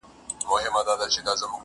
و موږ ته يې د زلفو ښاماران مبارک,